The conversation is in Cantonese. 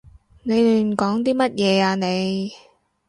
你亂講啲乜嘢啊你？